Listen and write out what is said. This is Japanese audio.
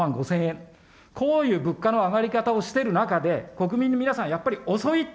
こういう物価の上がり方をしている中で、国民の皆さん、やっぱり、遅い。